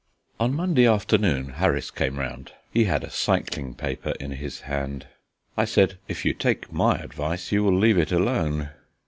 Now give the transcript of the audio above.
On Monday afternoon Harris came round; he had a cycling paper in his hand. I said: "If you take my advice, you will leave it alone."